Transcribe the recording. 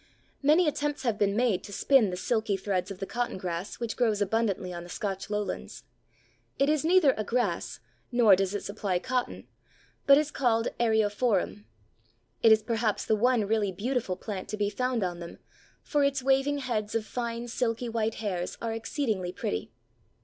Many attempts have been made to spin the silky threads of the Cotton grass which grows abundantly on the Scotch lowlands. It is neither a grass, nor does it supply cotton, but is called Eriophorum. It is perhaps the one really beautiful plant to be found on them, for its waving heads of fine silky white hairs are exceedingly pretty.